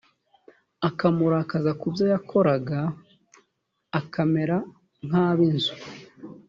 akamurakaza ku byo yakoraga akamera nk ab inzu